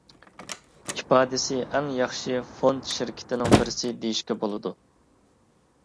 ئىپادىسى ئەڭ ياخشى فوند شىركىتىنىڭ بىرسى دېيىشكە بولىدۇ.